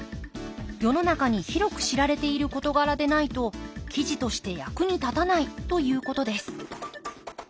世の中に広く知られている事柄でないと記事として役に立たないということです。